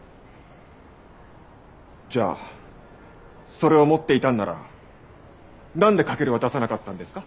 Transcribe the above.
じゃあそれを持っていたんならなんで駆は出さなかったんですか？